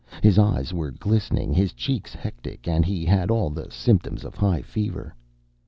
His eyes were glistening, his cheeks hectic, and he had all the symptoms of high fever.